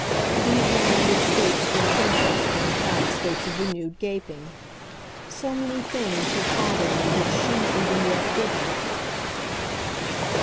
These reminded states for the Princess were in fact states of renewed gaping. So many things her father knew that she even yet didn't!